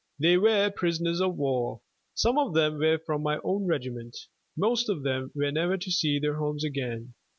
They were prisoners of war. Some of them were from my own regiment. Most of them were never to see their homes again.